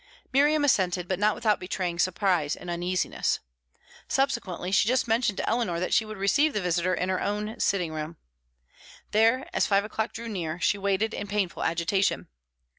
Miriam assented, but not without betraying surprise and uneasiness. Subsequently she just mentioned to Eleanor that she would receive the visitor in her own sitting room. There, as five o'clock drew near, she waited in painful agitation.